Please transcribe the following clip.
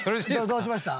どうしました？